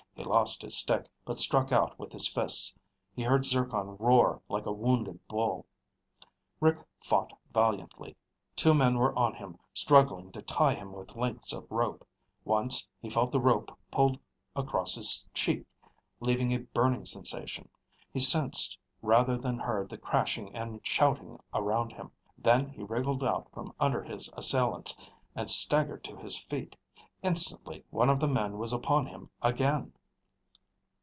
He lost his stick, but struck out with his fists. He heard Zircon roar like a wounded bull. Rick fought valiantly. Two men were on him, struggling to tie him with lengths of rope. Once he felt the rope pulled across his cheek, leaving a burning sensation. He sensed rather than heard the crashing and shouting around him. Then he wriggled out from under his assailants and staggered to his feet. Instantly one of the men was upon him again.